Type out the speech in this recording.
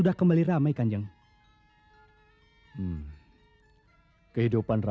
ah wiping ih laskar madangkara